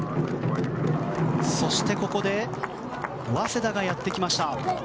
そしてここで早稲田がやってきました。